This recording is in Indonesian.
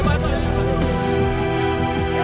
suapnya itu buaya